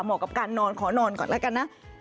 กับการนอนขอนอนก่อนแล้วกันนะ